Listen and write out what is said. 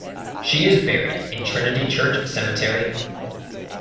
She is buried in Trinity Church Cemetery.